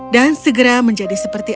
dan segera menjadi seperti